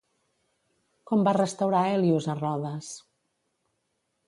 Com va restaurar Hèlios a Rodes?